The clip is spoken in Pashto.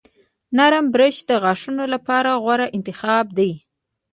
نرم برش د غاښونو لپاره غوره انتخاب دی.